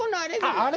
あれ？